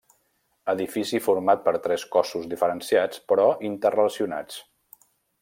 Edifici format per tres cossos diferenciats però interrelacionats.